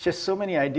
dia memiliki banyak ide